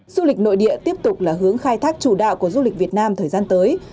du lịch nội địa tiếp tục là hướng khai thác chủ đạo của du lịch việt nam thời gian tới